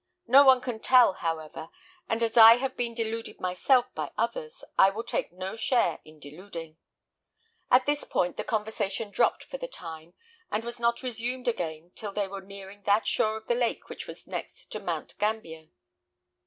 No one can tell, however; and as I have been deluded myself by others, I will take no share in deluding." At this point the conversation dropped for the time, and was not resumed again till they were nearing that shore of the lake which was next to Mount Gambier.